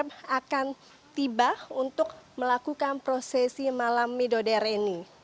yang akan tiba untuk melakukan prosesi malam mido dareni